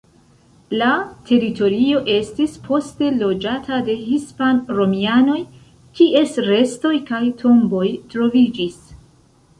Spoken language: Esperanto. La teritorio estis poste loĝata de hispan-romianoj, kies restoj kaj tomboj troviĝis.